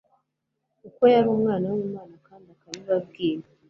Kuko yari Umwana w'Imana kandi akabibabwira,